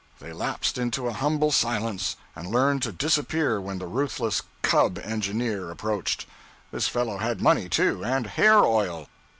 They lapsed into a humble silence, and learned to disappear when the ruthless 'cub' engineer approached. This fellow had money, too, and hair oil.